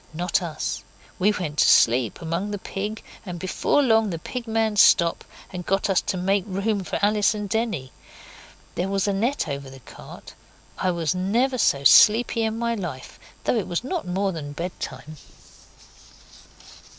Not us. We went to sleep, among the pig, and before long the Pig man stopped and got us to make room for Alice and Denny. There was a net over the cart. I never was so sleepy in my life, though it was not more than bedtime.